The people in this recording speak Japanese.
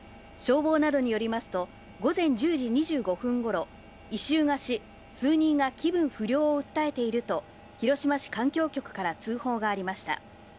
消防などによりますと、午前１０時２５分ごろ、異臭がし、数人が気分不良を訴えていると、広島市環境局から通報がありました。